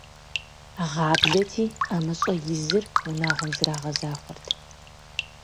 Гъаблэти, ӏэмыщӏэ изыр унагъуэм зэрагъэзахуэрт.